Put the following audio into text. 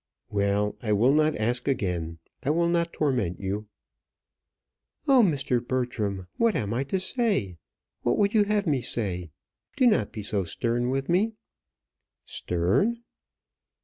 "Well, I will not ask again. I will not torment you." "Oh, Mr. Bertram! What am I to say? What would you have me say? Do not be so stern with me." "Stern!"